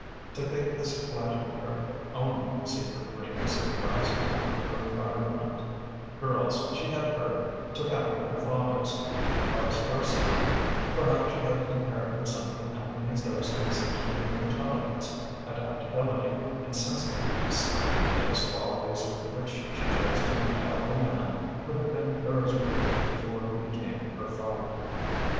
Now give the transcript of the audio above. To think this flattered her own secret dreams of rising out of her environment: girls, she had heard, took after their fathers and vice versa: perhaps she had inherited some of Anthony Thursby's keener intelligence, adaptability, and sensitiveness those qualities with which she chose to endow the man who had been Thursby before he became her father.